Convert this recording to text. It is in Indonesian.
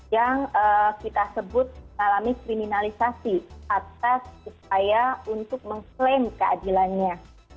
yang kita sebut mengalami kriminalisasi atas upaya untuk mengklaim keadilannya